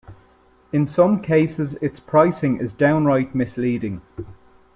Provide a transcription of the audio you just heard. In some cases, its pricing is downright misleading.